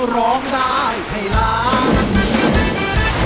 ร้องได้ให้ล้าน